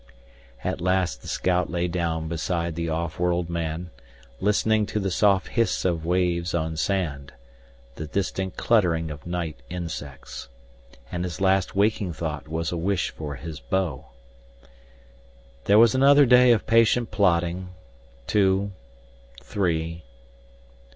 At last the scout lay down beside the off world man, listening to the soft hiss of waves on sand, the distant cluttering of night insects. And his last waking thought was a wish for his bow. There was another day of patient plodding; two, three.